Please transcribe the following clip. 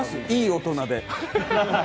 いい大人で。